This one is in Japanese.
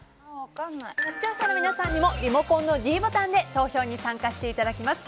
視聴者の皆さんにもリモコンのｄボタンで投票に参加していただきます。